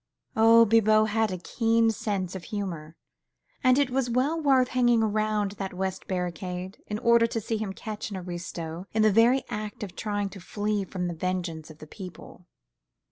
Oh! Bibot had a keen sense of humour, and it was well worth hanging round that West Barricade, in order to see him catch an aristo in the very act of trying to flee from the vengeance of the people.